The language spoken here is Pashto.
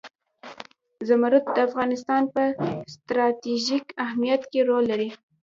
زمرد د افغانستان په ستراتیژیک اهمیت کې رول لري.